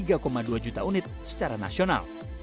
dan mencapai tiga dua juta unit secara nasional